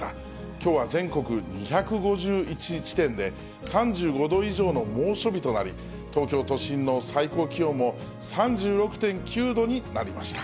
きょうは全国２５１地点で、３５度以上の猛暑日となり、東京都心の最高気温も３６．９度になりました。